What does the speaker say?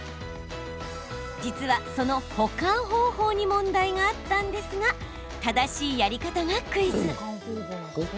実は、その保管方法に問題があったんですが正しいやり方がクイズ。